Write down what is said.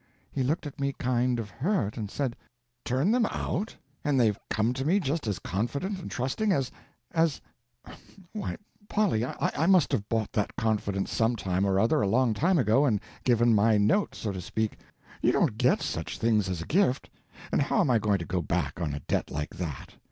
He looked at me kind of hurt, and said, 'Turn them out?—and they've come to me just as confident and trusting as—as—why Polly, I must have bought that confidence sometime or other a long time ago, and given my note, so to speak—you don't get such things as a gift—and how am I going to go back on a debt like that?